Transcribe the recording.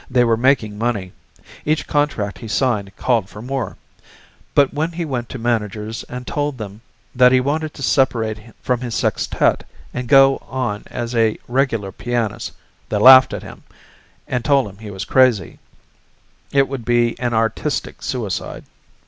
They were making money each contract he signed called for more but when he went to managers and told them that he wanted to separate from his sextet and go on as a regular pianist, they laughed at him and told him he was crazy it would be an artistic suicide.